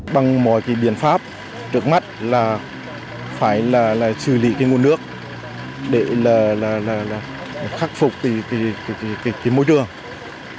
bằng mọi cái biện pháp trước mắt là phải là xử lý cái nguồn nước để khắc phục môi trường